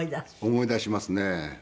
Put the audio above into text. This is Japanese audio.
思い出しますね。